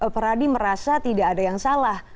peradi merasa tidak ada yang salah